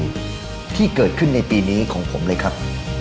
ความขาดชาติในสุขศาล